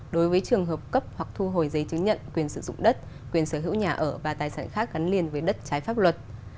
đối với trường hợp cấp hoặc thu hồi giấy chứng nhận quyền sử dụng đất quyền sở hữu nhà ở và tài sản khác gắn liền với đất trái pháp luật